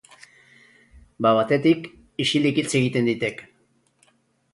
Ba batetik, isilik hitz egiten ditek.